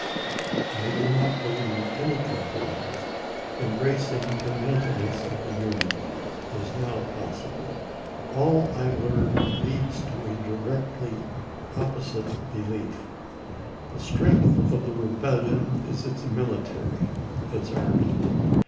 I do not believe any compromise embracing the main tenance of the Union is now possible. All I learn leads to a directly opposite belief. The strength of the rebel lion is its military — its army.